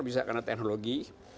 bisa karena teknologi